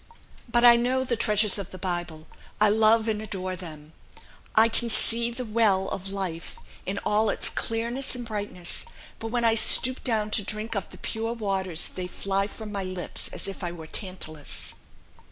But I know the treasures of the Bible; I love and adore them. I can see the Well of Life in all its clearness and brightness; but when I stoop down to drink of the pure waters they fly from my lips as if I were Tantalus.